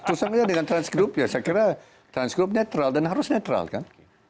terus sengaja dengan transgrup ya saya kira transgrup netral dan harus netral kan